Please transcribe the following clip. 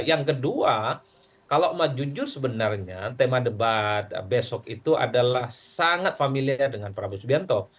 yang kedua kalau mau jujur sebenarnya tema debat besok itu adalah sangat familiar dengan prabowo subianto